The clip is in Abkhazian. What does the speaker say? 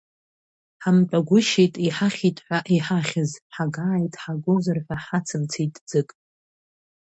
Ҳамтәагәышьеит иҳахьит ҳәа иҳахьыз, ҳагааит ҳагозар ҳәа ҳацымцеит ӡык.